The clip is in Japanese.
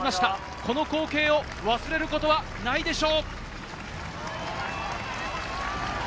この光景を忘れることはないでしょう。